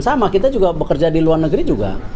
sama kita juga bekerja di luar negeri juga